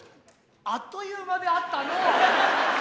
あっという間であったのう。